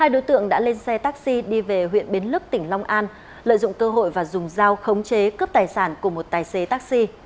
hai đối tượng đã lên xe taxi đi về huyện bến lức tỉnh long an lợi dụng cơ hội và dùng dao khống chế cướp tài sản của một tài xế taxi